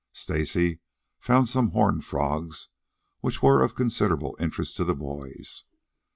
Stacy found some horned frogs, which were of considerable interest to the boys.